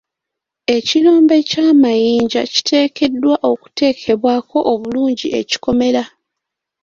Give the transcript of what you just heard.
Ekirombe ky'amayinja kiteekeddwa okuteekebwako obulungi ekikomera.